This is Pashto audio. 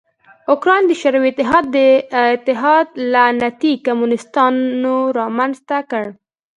اوکراین د شوروي اتحاد لعنتي کمونستانو رامنځ ته کړ.